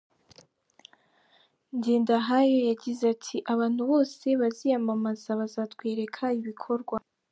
Ngendahayo yagize ati "Abantu bose baziyamamaza bazatwereka ibikorwa.